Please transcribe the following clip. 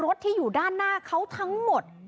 ที่อยู่ด้านหน้าเขาทั้งหมด